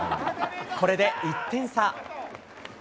これで１点差。